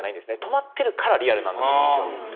止まってるからリアルなんだと思うんですよ。